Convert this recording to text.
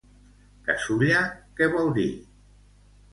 Casulla, què vol dir?